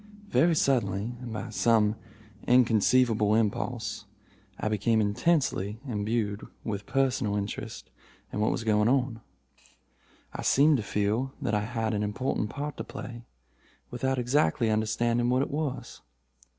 Very suddenly, and by some inconceivable impulse, I became intensely imbued with personal interest in what was going on. I seemed to feel that I had an important part to play, without exactly understanding what it was.